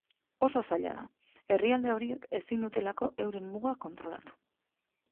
Oso zaila da, herrialde horiek ezin dutelako euren muga kontrolatu.